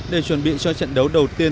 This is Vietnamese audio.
để chuẩn bị cho trận đấu đầu tiên